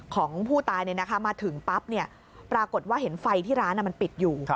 ของผู้ตายมาถึงปั๊บปรากฏว่าเห็นไฟที่ร้านมันปิดอยู่